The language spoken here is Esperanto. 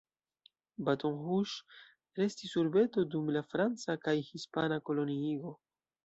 Baton Rouge restis urbeto dum la franca kaj hispana koloniigo.